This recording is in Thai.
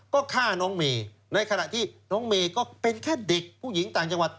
ก็ฆ่าน้องเมย์ในขณะที่น้องเมย์ก็เป็นแค่เด็กผู้หญิงต่างจังหวัด